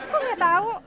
kok gak tau